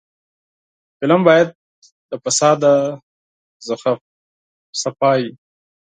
فلم باید له فساد څخه پاک وي